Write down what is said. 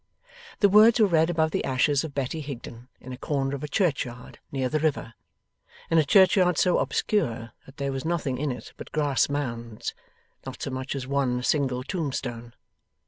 The words were read above the ashes of Betty Higden, in a corner of a churchyard near the river; in a churchyard so obscure that there was nothing in it but grass mounds, not so much as one single tombstone.